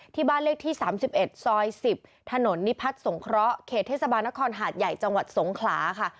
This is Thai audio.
ที่บ้านเลขที่๓๑ซอย๑๐ถนนนิพัฒน์สงเคราะห์เขตเทศบาลนครหาดใหญ่จังหวัดสงขลาค่ะ